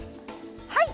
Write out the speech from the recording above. はい！